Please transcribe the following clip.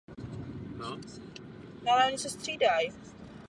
Aragonský a Isabela Kastilská.